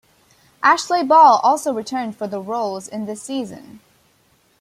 Ashleigh Ball also returned for the roles in this season.